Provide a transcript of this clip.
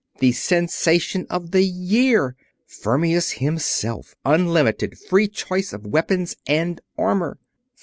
The sensation of the year. Fermius himself. Unlimited. Free choice of weapons and armor."